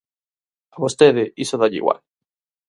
A vostede iso dálle igual.